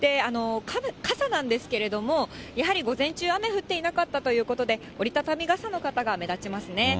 傘なんですけれども、やはり午前中、雨降っていなかったということで、折り畳み傘の方が目立ちますね。